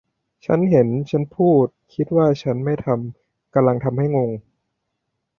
ฉันเห็นฉันพูดคิดว่าฉันไม่ทำกำลังทำให้งง